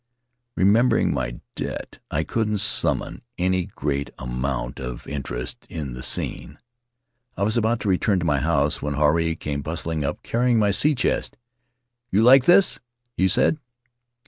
Remembering my debt, I couldn't summon any great amount of interest in the scene. I was about to return to my house when Huirai came bustling up, carrying my sea chest. "You like this? " he said.